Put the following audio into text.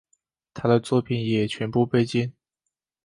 他的作品也全部被禁。